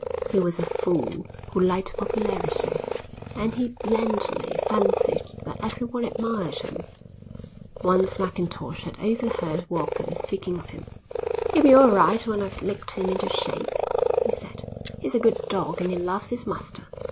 He was a fool who liked popularity, and he blandly fancied that everyone admired him. Once Mackintosh had overheard Walker speaking of him. "He'll be all right when I've licked him into shape," he said. "He's a good dog and he loves his master."